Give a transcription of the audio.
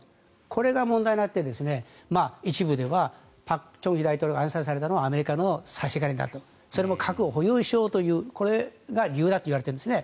これが問題になって一部では朴正煕大統領が暗殺されたのはアメリカの差し金だとそれも核を保有しようということが理由だといわれているんですね。